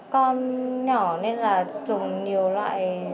con nhỏ nên là dùng nhiều loại